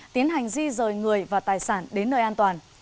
tiến hành di rời người và tài sản đến nơi an toàn